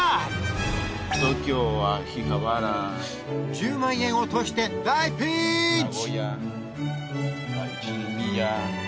１０万円落として大ピンチ！